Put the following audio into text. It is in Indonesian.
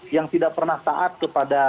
yang tidak pernah taat kepada